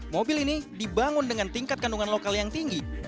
mobil ini dibangun dengan tingkat kandungan lokal yang tinggi